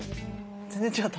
全然違った。